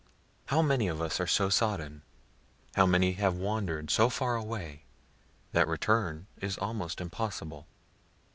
how many of us are so sodden how many have wander'd so far away, that return is almost impossible.